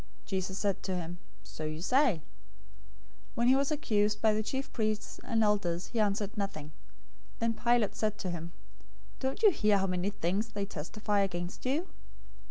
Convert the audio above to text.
Jesus said to him, "So you say." 027:012 When he was accused by the chief priests and elders, he answered nothing. 027:013 Then Pilate said to him, "Don't you hear how many things they testify against you?"